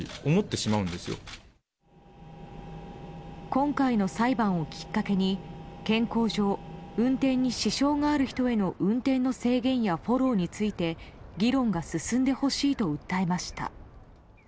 今回の裁判をきっかけに健康上、運転に支障がある人への運転の制限やフォローについて議論が進んでほしいと訴えました。